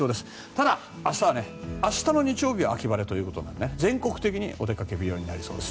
ただ、明日の日曜日は秋晴れということなので全国的にお出かけ日和になりそうです。